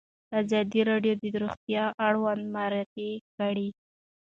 ازادي راډیو د روغتیا اړوند مرکې کړي.